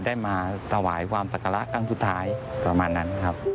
ได้มาถวายความศักระครั้งสุดท้ายประมาณนั้นครับ